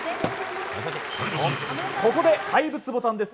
ここで怪物ボタンです。